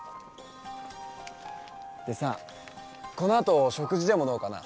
でさこの後食事でもどうかな？